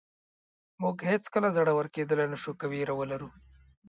موږ هېڅکله زړور کېدلی نه شو که وېره ولرو.